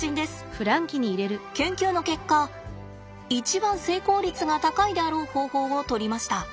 研究の結果一番成功率が高いであろう方法をとりました。